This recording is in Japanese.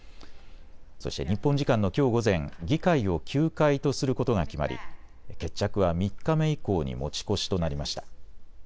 そして日本時間のきょう午前、議会を休会とすることが決まり決着は３日目以降に持ち越しとなりました。